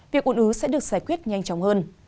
việc ồn ứ sẽ được giải quyết nhanh chóng hơn